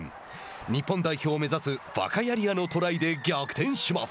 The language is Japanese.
日本代表を目指すヴァカヤリアのトライで逆転します。